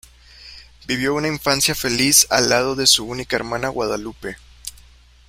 Vivió una infancia feliz al lado de su única hermana Guadalupe.